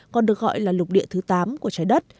còn được gọi là lục địa thứ tám của trái đất